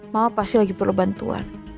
mama pasti lagi perlu bantuan